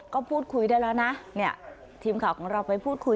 ก็พูดคุยได้แล้วนะเนี่ยทีมข่าวของเราไปพูดคุย